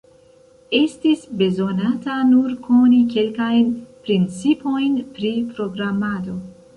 Estis bezonata nur koni kelkajn principojn pri programado.